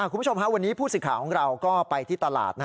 คุณผู้ชมวันนี้ผู้สิทธิ์ของเราก็ไปที่ตลาด